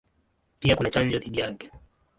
Pia kuna chanjo dhidi yake.